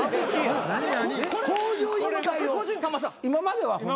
今までは。